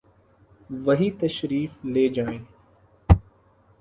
وہی تشریف لے جائیں۔